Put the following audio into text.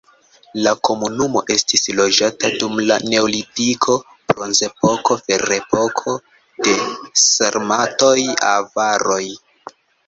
La komunumo estis loĝata dum la neolitiko, bronzepoko, ferepoko, de sarmatoj, avaroj.